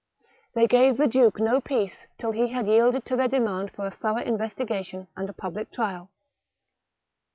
They gave the duke no peace till he had yielded to their demand for a thorough investigation and a public trial.